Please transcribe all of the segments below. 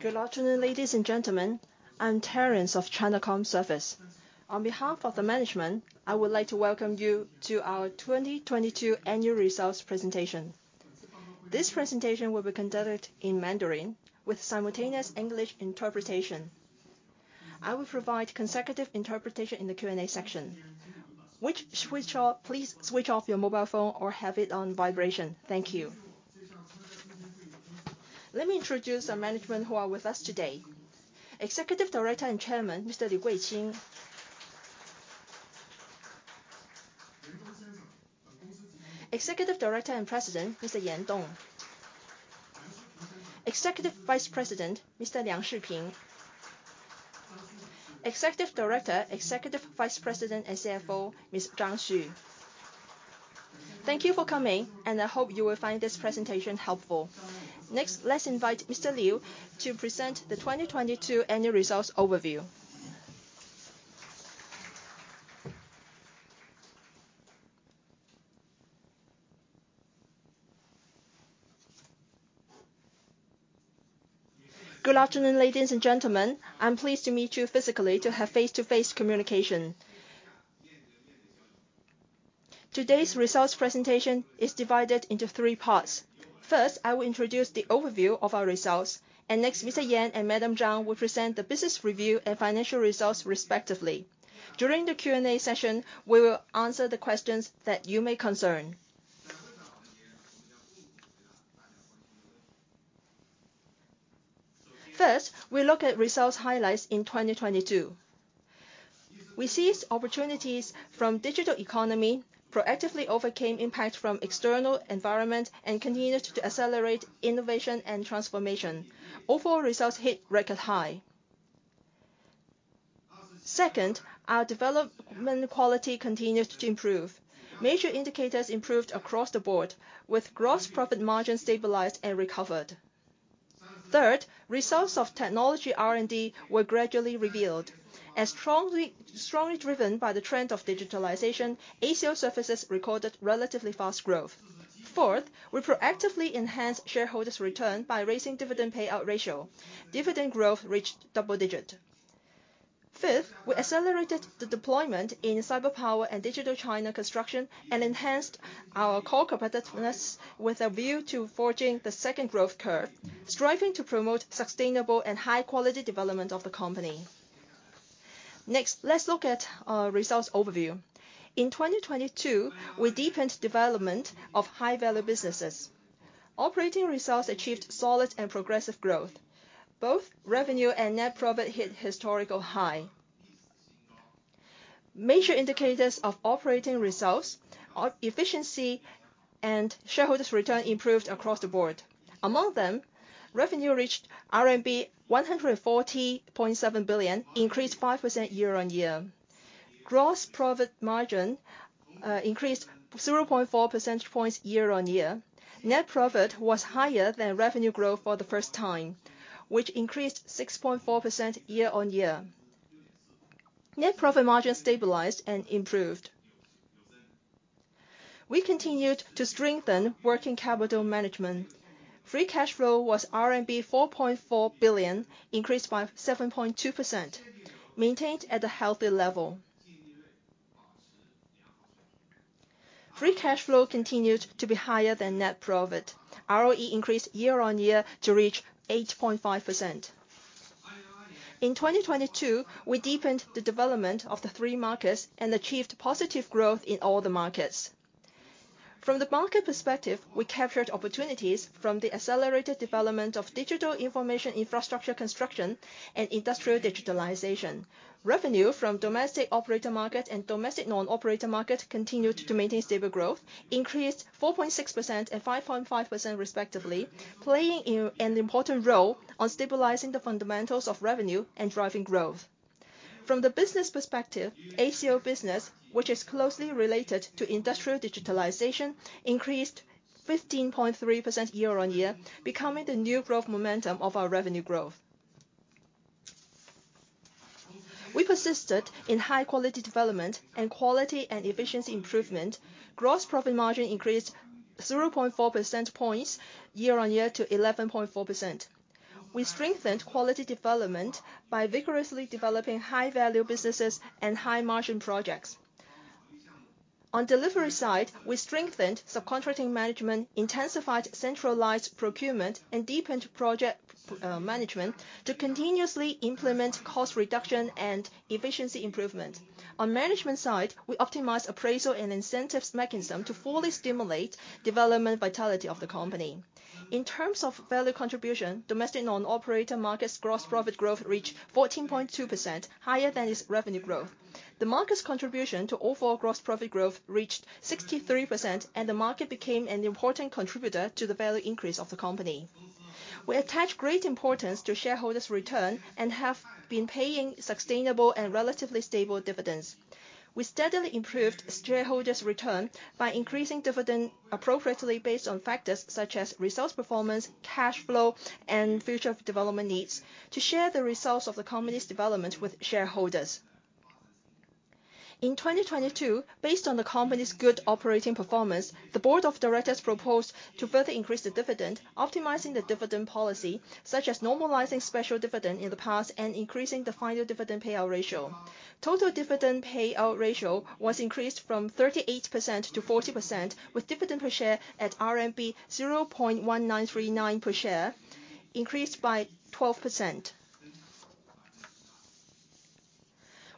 Good afternoon, ladies and gentlemen. I'm Terence of China Communications Services. On behalf of the management, I would like to welcome you to our 2022 Annual results presentation. This presentation will be conducted in Mandarin with simultaneous English interpretation. I will provide consecutive interpretation in the Q&A section. Please switch off your mobile phone or have it on vibration. Thank you. Let me introduce our management who are with us today. Executive Director and Chairman, Mr. Liu Guiqing. Executive Director and President, Mr. Yan Dong. Executive Vice President, Mr. Liang Shiping. Executive Director, Executive Vice President, and CFO, Ms. Zhang Xu. Thank you for coming, and I hope you will find this presentation helpful. Let's invite Mr. Liu to present the 2022 annual results overview. Good afternoon, ladies and gentlemen. I'm pleased to meet you physically to have face-to-face communication. Today's results presentation is divided into three parts. First, I will introduce the overview of our results, and next, Mr. Yan and Madam Zhang will present the business review and financial results respectively. During the Q&A session, we will answer the questions that you may concern. First, we look at results highlights in 2022. We seized opportunities from digital economy, proactively overcame impact from external environment, and continued to accelerate innovation and transformation. Overall results hit record high. Second, our development quality continued to improve. Major indicators improved across the board with gross profit margin stabilized and recovered. Third, results of technology R&D were gradually revealed. As strongly driven by the trend of digitalization, ACO services recorded relatively fast growth. Fourth, we proactively enhanced shareholders' return by raising dividend payout ratio. Dividend growth reached double-digit. Fifth, we accelerated the deployment in cyber power and Digital China construction, enhanced our core competitiveness with a view to forging the second growth curve, striving to promote sustainable and high-quality development of the company. Next, let's look at our results overview. In 2022, we deepened development of high-value businesses. Operating results achieved solid and progressive growth. Both revenue and net profit hit historical high. Major indicators of operating results are efficiency and shareholders' return improved across the board. Among them, revenue reached RMB 140.7 billion, increased 5% year-on-year. Gross profit margin increased 0.4% points year-on-year. Net profit was higher than revenue growth for the first time, which increased 6.4% year-on-year. Net profit margin stabilized and improved. We continued to strengthen working capital management. Free cash flow was RMB 4.4 billion, increased by 7.2%, maintained at a healthy level. Free cash flow continued to be higher than net profit. ROE increased year-on-year to reach 8.5%. In 2022, we deepened the development of the three markets and achieved positive growth in all the markets. From the market perspective, we captured opportunities from the accelerated development of digital information infrastructure construction and industrial digitalization. Revenue from domestic operator market and domestic non-operator market continued to maintain stable growth, increased 4.6% and 5.5% respectively, playing an important role on stabilizing the fundamentals of revenue and driving growth. From the business perspective, ACO business, which is closely related to industrial digitalization, increased 15.3% year-on-year, becoming the new growth momentum of our revenue growth. We persisted in high-quality development and quality and efficiency improvement. Gross profit margin increased 0.4 % points year-on-year to 11.4%. We strengthened quality development by vigorously developing high-value businesses and high-margin projects. On delivery side, we strengthened subcontracting management, intensified centralized procurement, and deepened project management to continuously implement cost reduction and efficiency improvement. On management side, we optimized appraisal and incentives mechanism to fully stimulate development vitality of the company. In terms of value contribution, domestic non-operator markets gross profit growth reached 14.2%, higher than its revenue growth. The market's contribution to overall gross profit growth reached 63%, and the market became an important contributor to the value increase of the company. We attach great importance to shareholders' return and have been paying sustainable and relatively stable dividends. We steadily improved shareholders' return by increasing dividend appropriately based on factors such as results performance, cash flow, and future development needs to share the results of the company's development with shareholders. In 2022, based on the company's good operating performance, the board of directors proposed to further increase the dividend, optimizing the dividend policy, such as normalizing special dividend in the past and increasing the final dividend payout ratio. Total dividend payout ratio was increased from 38% - 40%, with dividend per share at RMB 0.1939 per share, increased by 12%.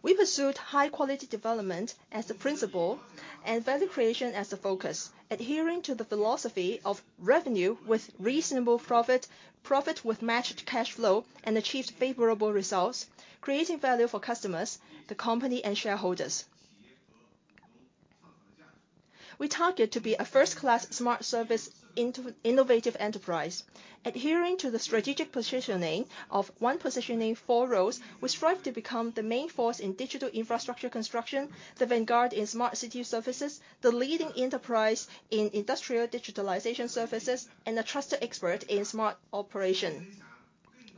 We pursued high quality development as the principle and value creation as the focus, adhering to the philosophy of revenue with reasonable profit with matched cash flow, and achieved favorable results, creating value for customers, the company, and shareholders. We target to be a first-class smart service innovative enterprise. Adhering to the strategic positioning of one positioning, four roles, we strive to become the main force in digital infrastructure construction, the vanguard in smart city services, the leading enterprise in industrial digitalization services, and a trusted expert in smart operation.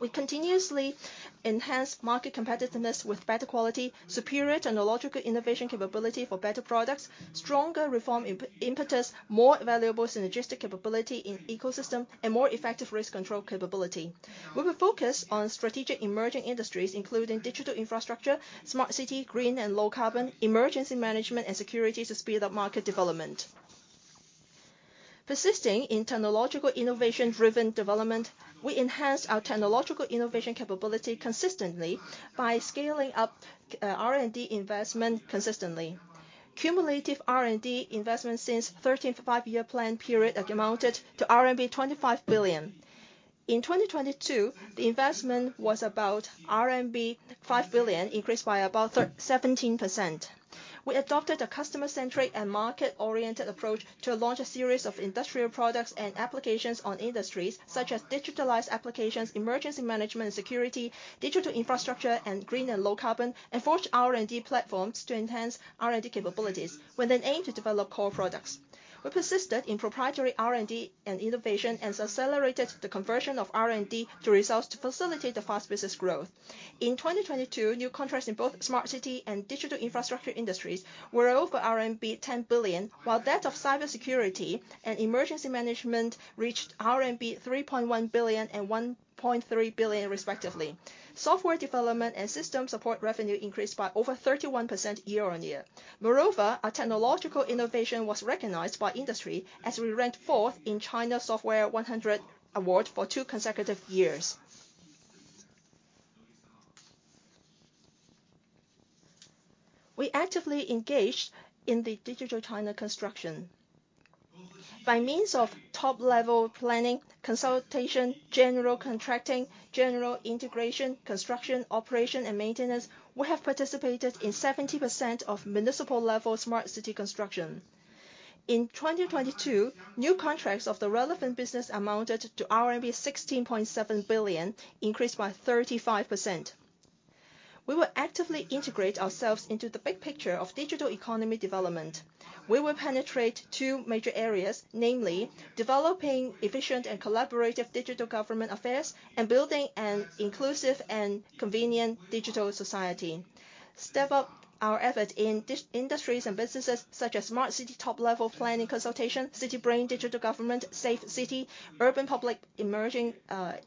We continuously enhance market competitiveness with better quality, superior technological innovation capability for better products, stronger reform impetus, more valuable synergistic capability in ecosystem, and more effective risk control capability. We will focus on strategic emerging industries, including digital infrastructure, smart city, green and low carbon, emergency management, and security to speed up market development. Persisting in technological innovation-driven development, we enhanced our technological innovation capability consistently by scaling up R&D investment consistently. Cumulative R&D investment since 13th Five-Year Plan period amounted to RMB 25 billion. In 2022, the investment was about RMB 5 billion, increased by about 17%. We adopted a customer-centric and market-oriented approach to launch a series of industrial products and applications on industries such as digitalized applications, emergency management and security, digital infrastructure, and green and low carbon, and forged R&D platforms to enhance R&D capabilities with an aim to develop core products. We persisted in proprietary R&D and innovation and accelerated the conversion of R&D to results to facilitate the fast business growth. In 2022, new contracts in both smart city and digital infrastructure industries were over RMB 10 billion, while that of cybersecurity and emergency management reached RMB 3.1 billion and 1.3 billion respectively. Software development and system support revenue increased by over 31% year-on-year. Our technological innovation was recognized by industry as we ranked fourth in China Software One Hundred Award for two consecutive years. We actively engaged in the Digital China construction. By means of top-level planning, consultation, general contracting, general integration, construction, operation, and maintenance, we have participated in 70% of municipal-level smart city construction. In 2022, new contracts of the relevant business amounted to RMB 16.7 billion, increased by 35%. We will actively integrate ourselves into the big picture of digital economy development. We will penetrate two major areas, namely developing efficient and collaborative digital government affairs and building an inclusive and convenient digital society. Step up our effort in dis- industries and businesses such as smart city top-level planning consultation, city brain digital government, safe city, urban public emerging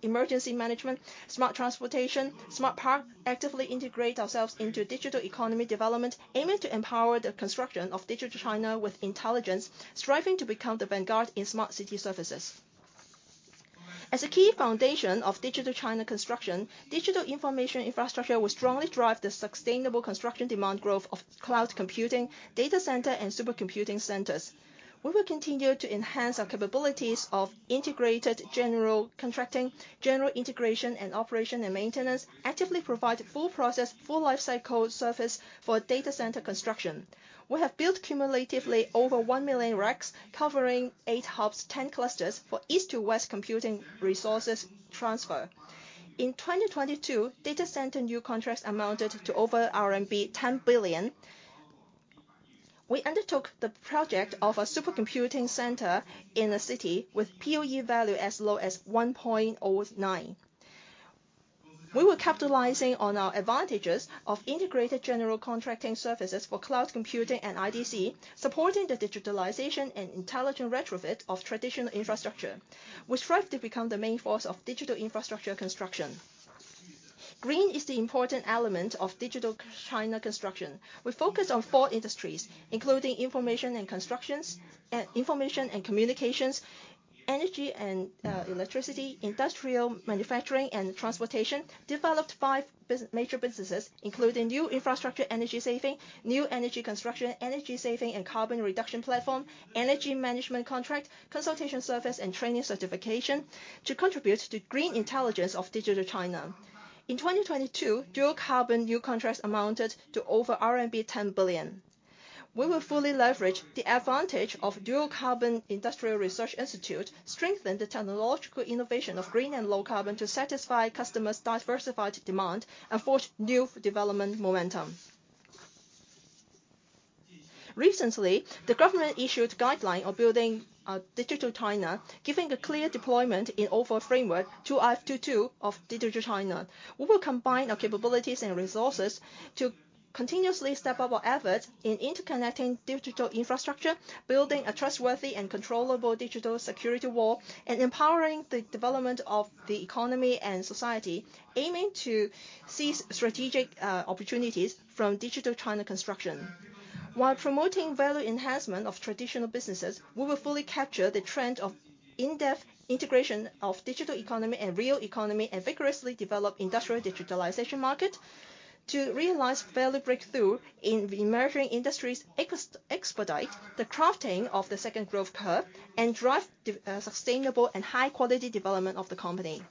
emergency management, smart transportation, smart park, actively integrate ourselves into digital economy development, aiming to empower the construction of Digital China with intelligence, striving to become the vanguard in smart city services. As a key foundation of Digital China construction, digital information infrastructure will strongly drive the sustainable construction demand growth of cloud computing, data center, and supercomputing centers. We will continue to enhance our capabilities of integrated general contracting, general integration and operation and maintenance, actively provide full process, full lifecycle service for data center construction. We have built cumulatively over 1 million racks, covering eight hubs, ten clusters for East-to-West Computing Resources Transfer. In 2022, data center new contracts amounted to over RMB 10 billion. We undertook the project of a supercomputing center in a city with PUE value as low as 1.09. We were capitalizing on our advantages of integrated general contracting services for cloud computing and IDC, supporting the digitalization and intelligent retrofit of traditional infrastructure. We strive to become the main force of digital infrastructure construction. Green is the important element of Digital China construction. We focus on four industries, including information and constructions, and information and communications, energy and electricity, industrial manufacturing and transportation, developed five major businesses, including new infrastructure energy saving, new energy construction, energy saving and carbon reduction platform, energy management contract, consultation service, and training certification to contribute to green intelligence of Digital China. In 2022, dual carbon new contracts amounted to over RMB 10 billion. We will fully leverage the advantage of dual carbon industrial research institute, strengthen the technological innovation of green and low carbon to satisfy customers' diversified demand, and forge new development momentum. Recently, the government issued guideline of building Digital China, giving a clear deployment in overall framework to 2522 of Digital China. We will combine our capabilities and resources to continuously step up our efforts in interconnecting digital infrastructure, building a trustworthy and controllable digital security wall, and empowering the development of the economy and society, aiming to seize strategic opportunities from Digital China construction. While promoting value enhancement of traditional businesses, we will fully capture the trend of in-depth integration of digital economy and real economy, and vigorously develop industrial digitalization market to realize value breakthrough in the emerging industries, expedite the crafting of the second growth curve, and drive sustainable and high-quality development of the company.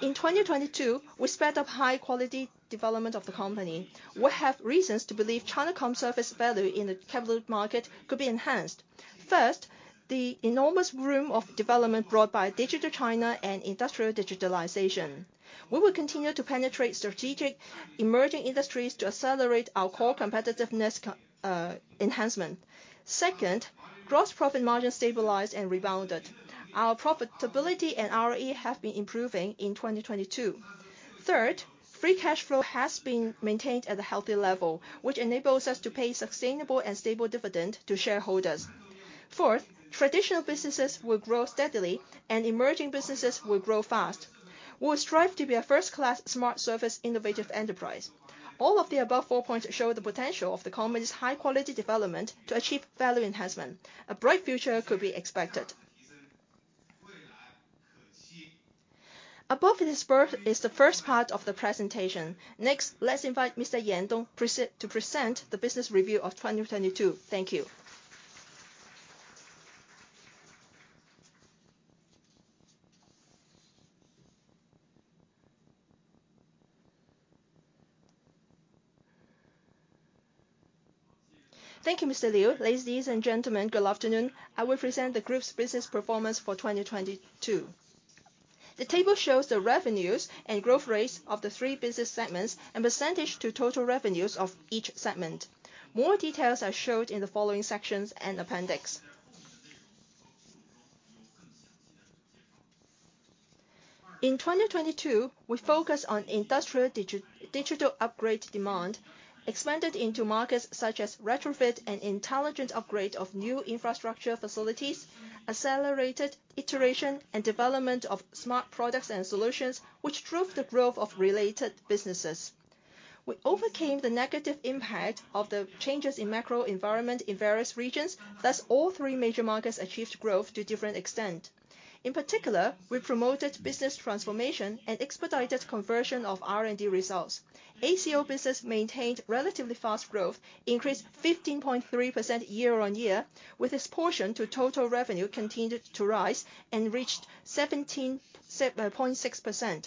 In 2022, we sped up high-quality development of the company. We have reasons to believe China Com service value in the capital market could be enhanced. First, the enormous room of development brought by Digital China and industrial digitalization. We will continue to penetrate strategic emerging industries to accelerate our core competitiveness enhancement. Second, gross profit margin stabilized and rebounded. Our profitability and ROE have been improving in 2022. Third, free cash flow has been maintained at a healthy level, which enables us to pay sustainable and stable dividend to shareholders. Fourth, traditional businesses will grow steadily and emerging businesses will grow fast. We will strive to be a first-class smart service innovative enterprise. All of the above four points show the potential of the company's high-quality development to achieve value enhancement. A bright future could be expected. Above this first is the first part of the presentation. Let's invite Mr. Yan Dong to present the business review of 2022. Thank you. Thank you, Mr. Liu. Ladies and gentlemen, good afternoon. I will present the group's business performance for 2022. The table shows the revenues and growth rates of the three business segments and percentage to total revenues of each segment. More details are showed in the following sections and appendix. In 2022, we focused on industrial digital upgrade demand, expanded into markets such as retrofit and intelligent upgrade of new infrastructure facilities, accelerated iteration and development of smart products and solutions, which drove the growth of related businesses. We overcame the negative impact of the changes in macro environment in various regions, thus all three major markets achieved growth to different extent. In particular, we promoted business transformation and expedited conversion of R&D results. ACO business maintained relatively fast growth, increased 15.3% year-on-year, with its portion to total revenue continued to rise and reached 17.6%.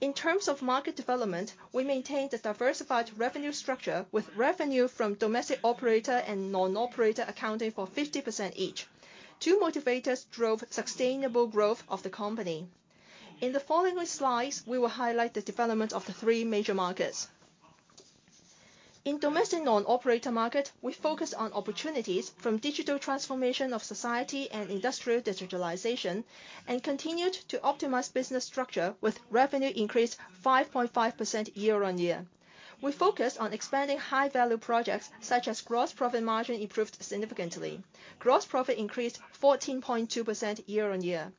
In terms of market development, we maintained a diversified revenue structure with revenue from domestic operator and non-operator accounting for 50% each. Two motivators drove sustainable growth of the company. In the following slides, we will highlight the development of the three major markets. In domestic non-operator market, we focused on opportunities from digital transformation of society and industrial digitalization, and continued to optimize business structure with revenue increase 5.5% year-on-year. We focused on expanding high-value projects such as gross profit margin improved significantly. Gross profit increased 14.2% year-on-year.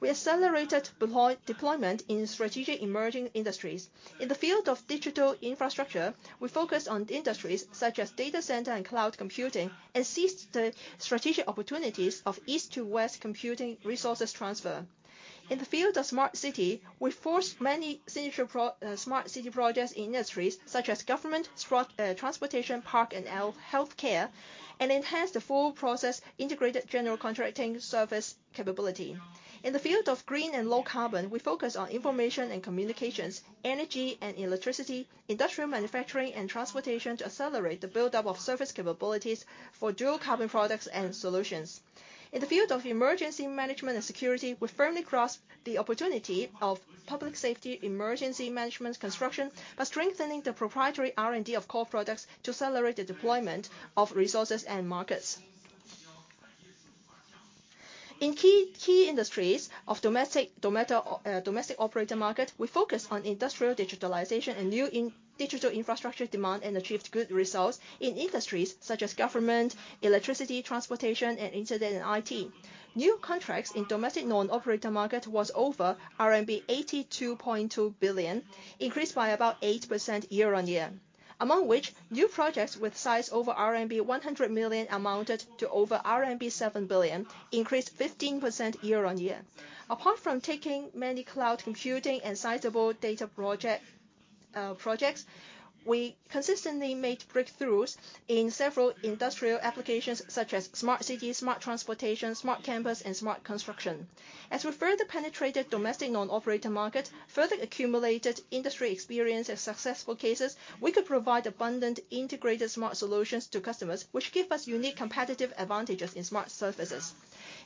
We accelerated deployment in strategic emerging industries. In the field of digital infrastructure, we focused on industries such as data center and cloud computing, and seized the strategic opportunities of East-to-West Computing Resources Transfer. In the field of smart city, we forced many signature smart city projects in industries such as government, transportation, park and healthcare, and enhanced the full process integrated general contracting service capability. In the field of green and low carbon, we focused on information and communications, energy and electricity, industrial manufacturing and transportation to accelerate the buildup of service capabilities for dual carbon products and solutions. In the field of emergency management and security, we firmly grasped the opportunity of public safety emergency management construction by strengthening the proprietary R&D of core products to accelerate the deployment of resources and markets. In key industries of domestic operator market, we focused on industrial digitalization and digital infrastructure demand and achieved good results in industries such as government, electricity, transportation and internet and IT. New contracts in domestic non-operator market was over RMB 82.2 billion, increased by about 8% year-on-year. Among which, new projects with size over RMB 100 million amounted - over RMB 7 billion, increased 15% year-on-year. Apart from taking many cloud computing and sizable data projects, we consistently made breakthroughs in several industrial applications such as smart city, smart transportation, smart campus and smart construction. As we further penetrated domestic non-operator market, further accumulated industry experience and successful cases, we could provide abundant integrated smart solutions to customers, which give us unique competitive advantages in smart services.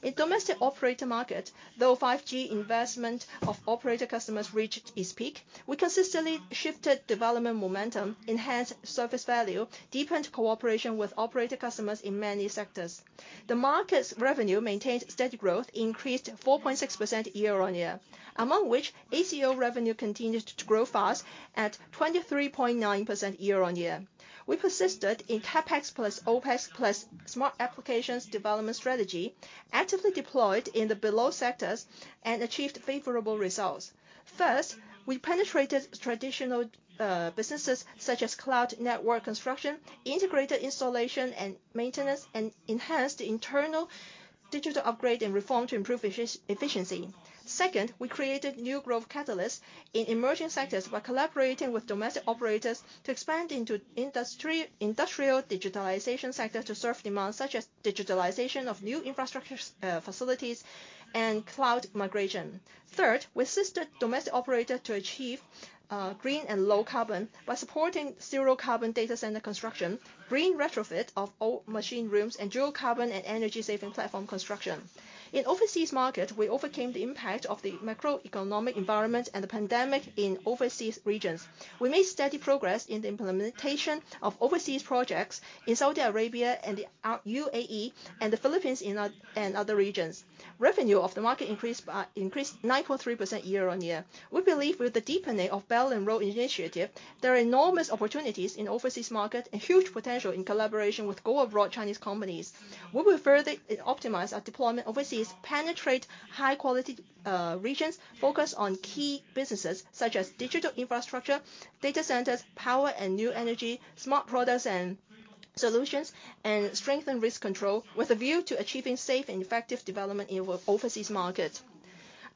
In domestic operator market, though 5G investment of operator customers reached its peak, we consistently shifted development momentum, enhanced service value, deepened cooperation with operator customers in many sectors. The market's revenue maintained steady growth, increased 4.6% year-on-year, among which ACO revenue continued to grow fast at 23.9% year-on-year. We persisted in CapEx plus OpEx plus smart applications development strategy, actively deployed in the below sectors and achieved favorable results. First, we penetrated traditional businesses such as cloud network construction, integrated installation and maintenance, and enhanced internal Digital upgrade and reform to improve efficiency. Second, we created new growth catalyst in emerging sectors by collaborating with domestic operators to expand into industrial Digitalization sector to serve demands such as Digitalization of new infrastructure facilities and cloud migration. Third, we assisted domestic operator to achieve green and low carbon by supporting zero carbon data center construction, green retrofit of old machine rooms, and dual carbon and energy saving platform construction. In overseas market, we overcame the impact of the macroeconomic environment and the pandemic in overseas regions. We made steady progress in the implementation of overseas projects in Saudi Arabia and UAE and the Philippines and other regions. Revenue of the market increased 9.3% year-on-year. We believe with the deepening of Belt and Road Initiative, there are enormous opportunities in overseas market and huge potential in collaboration with go abroad Chinese companies. We will further e-optimize our deployment overseas, penetrate high quality regions, focus on key businesses such as digital infrastructure, data centers, power and new energy, smart products and solutions, and strengthen risk control with a view to achieving safe and effective development in overseas markets.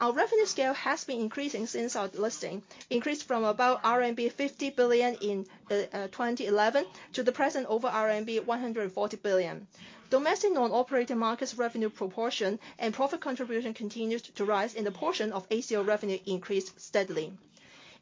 Our revenue scale has been increasing since our listing, increased from about RMB 50 billion in 2011- the present over RMB 140 billion. Domestic non-operating markets revenue proportion and profit contribution continues to rise, and the portion of ACO revenue increased steadily.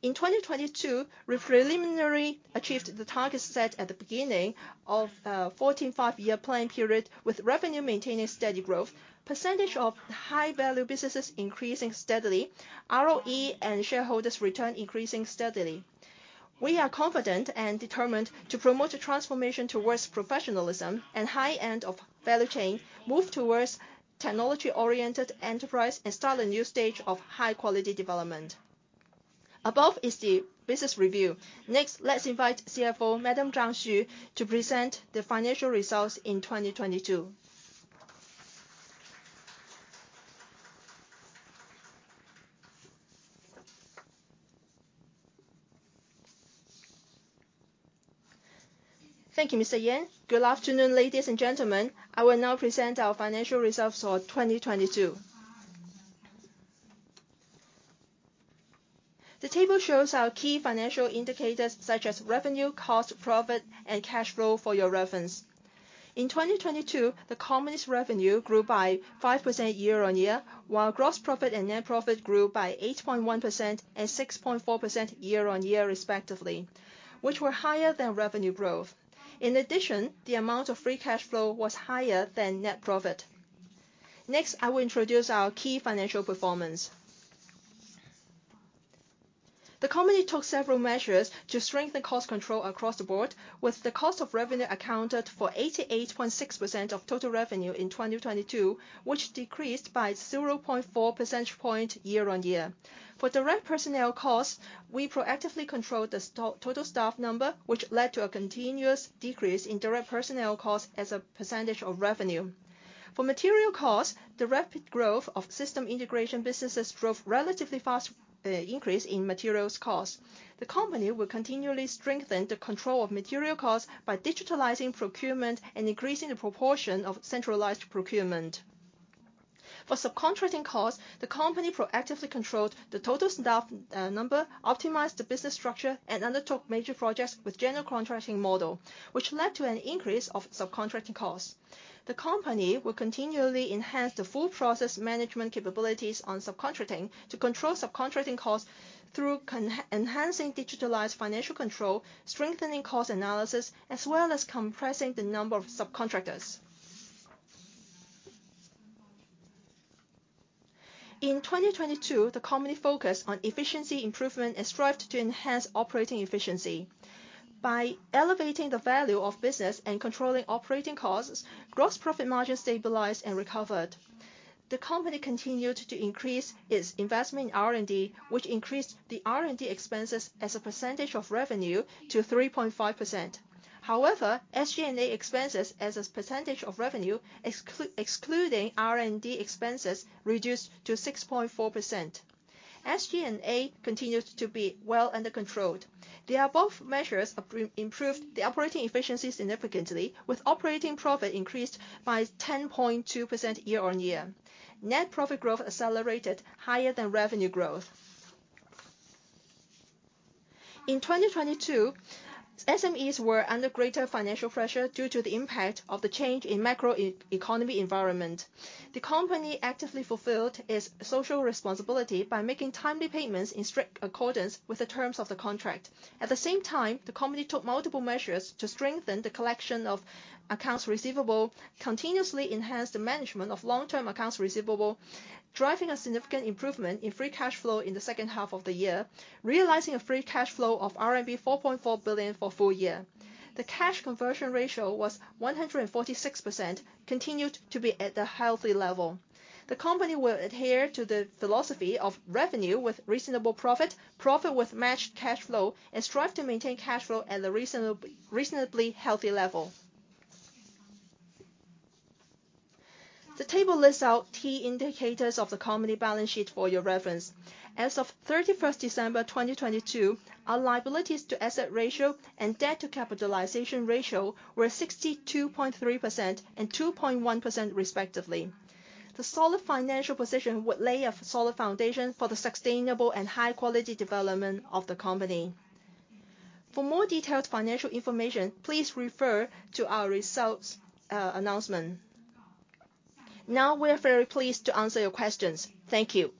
In 2022, we've preliminary achieved the target set at the beginning of 14th Five-Year Plan period with revenue maintaining steady growth, percentage of high value businesses increasing steadily, ROE and shareholders return increasing steadily. We are confident and determined to promote a transformation towards professionalism and high end of value chain, move towards technology-oriented enterprise, and start a new stage of high quality development. Above is the business review. Next, let's invite CFO, Madam Zhang Xu, to present the financial results in 2022. Thank you, Mr. Yan. Good afternoon, ladies and gentlemen. I will now present our financial results for 2022. The table shows our key financial indicators such as revenue, cost, profit, and cash flow for your reference. In 2022, the company's revenue grew by 5% year-on-year, while gross profit and net profit grew by 8.1% and 6.4% year-on-year respectively, which were higher than revenue growth. In addition, the amount of free cash flow was higher than net profit. Next, I will introduce our key financial performance. The company took several measures to strengthen cost control across the board, with the cost of revenue accounted for 88.6% of total revenue in 2022, which decreased by 0.4% point year-on-year. For direct personnel costs, we proactively controlled the total staff number, which led to a continuous decrease in direct personnel cost as a percentage of revenue. For material costs, the rapid growth of system integration businesses drove relatively fast increase in materials costs. The company will continually strengthen the control of material costs by digitalizing procurement and increasing the proportion of centralized procurement. For subcontracting costs, the company proactively controlled the total staff number, optimized the business structure, and undertook major projects with general contracting model, which led to an increase of subcontracting costs. The company will continually enhance the full process management capabilities on subcontracting to control subcontracting costs through enhancing digitalized financial control, strengthening cost analysis, as well as compressing the number of subcontractors. In 2022, the company focused on efficiency improvement and strived to enhance operating efficiency. By elevating the value of business and controlling operating costs, gross profit margin stabilized and recovered. The company continued to increase its investment in R&D, which increased the R&D expenses as a percentage of revenue to 3.5%. However, SG&A expenses as a percentage of revenue excluding R&D expenses reduced to 6.4%. SG&A continues to be well under controlled. The above measures have improved the operating efficiency significantly with operating profit increased by 10.2% year-on-year. Net profit growth accelerated higher than revenue growth. In 2022, SMEs were under greater financial pressure due to the impact of the change in macro economy environment. The company actively fulfilled its social responsibility by making timely payments in strict accordance with the terms of the contract. At the same time, the company took multiple measures to strengthen the collection of accounts receivable, continuously enhanced the management of long-term accounts receivable, driving a significant improvement in free cash flow in the second half of the year, realizing a free cash flow of RMB 4.4 billion for full year. The cash conversion ratio was 146%, continued to be at a healthy level. The company will adhere to the philosophy of revenue with reasonable profit with matched cash flow, and strive to maintain cash flow at a reasonable, reasonably healthy level. The table lists out key indicators of the company balance sheet for your reference. As of 31st December, 2022, our liabilities to asset ratio and debt to capitalization ratio were 62.3% and 2.1% respectively. The solid financial position would lay a solid foundation for the sustainable and high quality development of the company. For more detailed financial information, please refer to our results, announcement. We're very pleased to answer your questions. Thank you.